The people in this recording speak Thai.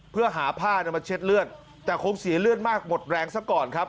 เพื่อหาผ้ามาเช็ดเลือดแต่คงเสียเลือดมากหมดแรงซะก่อนครับ